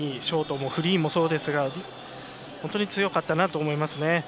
ショートもフリーもそうですが本当に強かったなと思いますね。